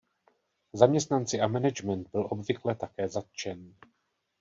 Zaměstnanci a management byl obvykle také zatčen.